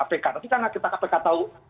nanti kalau nggak kita kpk tahu